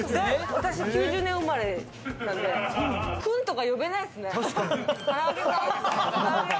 私９０年生まれなんで、「クン」とか呼べないですね。